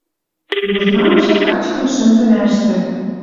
Южнамжы качкын шӹнзӹмӓштӹ